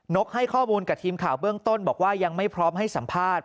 กให้ข้อมูลกับทีมข่าวเบื้องต้นบอกว่ายังไม่พร้อมให้สัมภาษณ์